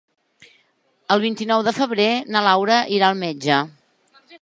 El vint-i-nou de febrer na Laura irà al metge.